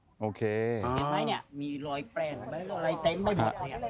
ไอ้แป้งเจ็บไหมมีรอยแป้งไหมรอยเต็มไม่บุน